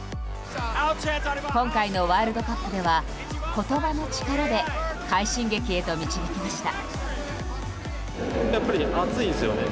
今回のワールドカップでは言葉の力で快進撃へと導きました。